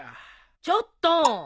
ちょっと。